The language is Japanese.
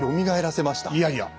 いやいや！